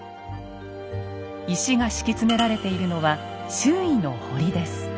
石が敷き詰められているのは周囲の堀です。